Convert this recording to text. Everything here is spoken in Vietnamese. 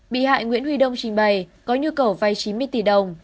bị hại nguyễn huy đông trình bày có nhu cầu vay chín mươi tỷ đồng